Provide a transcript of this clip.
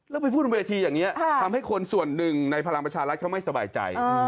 แล้วไปพูดบนเวทีอย่างนี้ทำให้คนส่วนหนึ่งในพลังประชารัฐเขาไม่สบายใจ